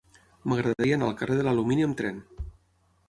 M'agradaria anar al carrer de l'Alumini amb tren.